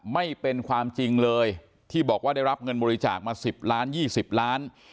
ไม่เป็นความจริงเลยที่บอกว่าได้รับเงินบริจาคมา๑๐ล้าน๒๐ล้าน